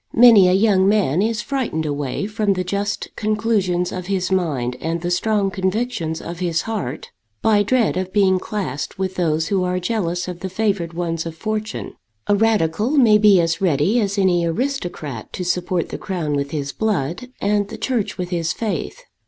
Many a young man is frightened away from the just conclusions of his mind and the strong convictions of his heart by dread of being classed with those who are jealous of the favoured ones of fortune. A radical may be as ready as any aristocrat to support the crown with his blood, and the church with his faith.